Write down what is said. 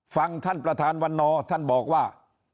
ฟังท่านประธานวันนอร์ท่านบอกว่า